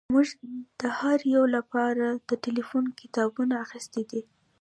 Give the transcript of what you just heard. موږ د هر یو لپاره د ټیلیفون کتابونه اخیستي دي